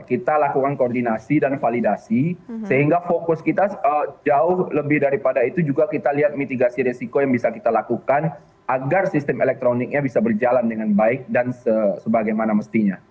kita lakukan koordinasi dan validasi sehingga fokus kita jauh lebih daripada itu juga kita lihat mitigasi risiko yang bisa kita lakukan agar sistem elektroniknya bisa berjalan dengan baik dan sebagaimana mestinya